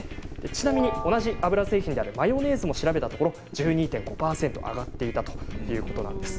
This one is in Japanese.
ちなみに同じ油製品であるマヨネーズを調べたところ１２．５％、上がっていたということなんです。